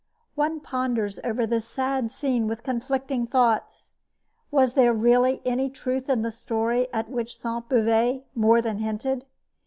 One ponders over this sad scene with conflicting thoughts. Was there really any truth in the story at which Sainte Beuve more than hinted?